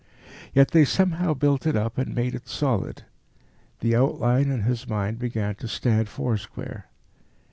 Yet they somehow built it up and made it solid; the outline in his mind began to stand foursquare.